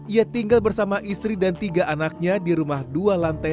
ia tinggal bersama istri dan tiga anaknya di rumah dua lantai